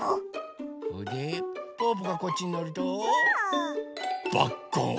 それでぽぅぽがこっちにのるとバッコン。